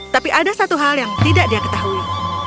tapi ada satu hal yang tidak dia ketahui